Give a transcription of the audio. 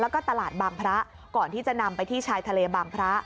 แล้วก็ตลาดบางพระก่อนที่จะนำไปที่ชายทะเลบางพระ